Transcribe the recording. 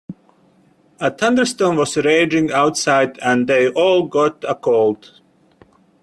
A thunderstorm was raging outside and they all got a cold.